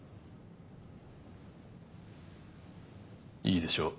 いいでしょう。